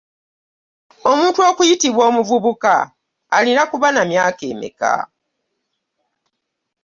Omuntu okuyitiibwa omuvubuka alina kuba namyaka emeeka?